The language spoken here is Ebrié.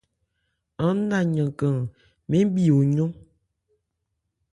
Aán na yankan mɛ́n bhi o yɔ́n.